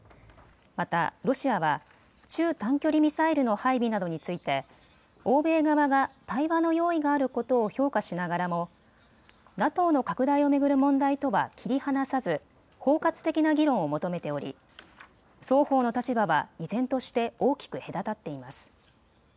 またロシアは、中・短距離ミサイルの配備などについて欧米側が対話の用意があることを評価しながらもＮＡＴＯの拡大を巡る問題とは切り離さず包括的な議論を求めており双方の立場は依然として大きく隔たっています。